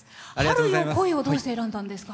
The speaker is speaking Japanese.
「春よ、来い」をどうして選んだんですか？